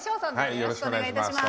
よろしくお願いします。